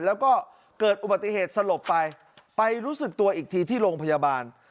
แล้วก็เกิดอุบัติเหตุสลบไปไปรู้สึกตัวอีกทีที่โรงพยาบาล